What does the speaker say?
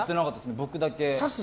僕だけ。